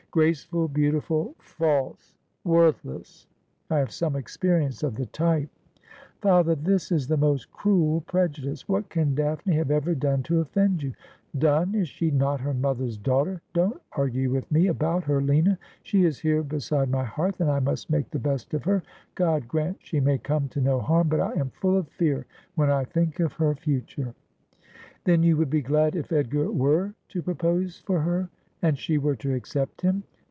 Graceful, beautiful, false, worthless ! I have some experience of the type.' ' Father, this is the most cruel prejudice. What can Daphne have ever done to oflEeud you ?'' Done ! Is she not her mother's daughter ? Don't argue with me about her, Lina. She is here beside my hearth, and I must make the best of her, God grant she may come to no harm ; hut I am full of fear when I think of her future.' 96 Asphodel, ' Then you would be glad if Edgar were to propose for her, and she were to accept him